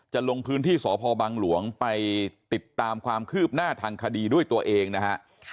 ลงพื้นที่สพบังหลวงไปติดตามความคืบหน้าทางคดีด้วยตัวเองนะฮะ